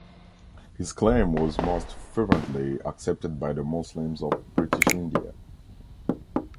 His claim was most fervently accepted by the Muslims of British India.